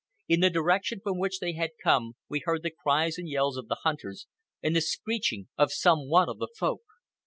In the direction from which they had come we heard the cries and yells of the hunters, and the screeching of some one of the Folk.